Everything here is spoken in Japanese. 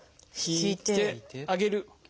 引いて上げる。